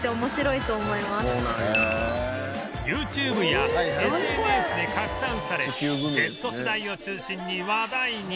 ＹｏｕＴｕｂｅ や ＳＮＳ で拡散され Ｚ 世代を中心に話題に